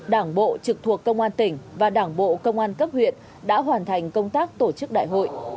đảng bộ trực thuộc công an tỉnh và đảng bộ công an cấp huyện đã hoàn thành công tác tổ chức đại hội